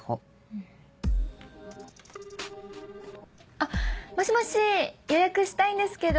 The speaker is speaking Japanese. あっもしもし予約したいんですけど。